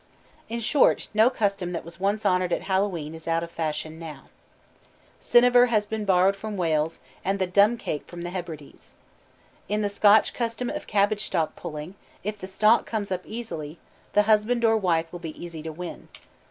In short, no custom that was once honored at Hallowe'en is out of fashion now. "Cyniver" has been borrowed from Wales, and the "dumb cake" from the Hebrides. In the Scotch custom of cabbage stalk pulling, if the stalk comes up easily, the husband or wife will be easy to win.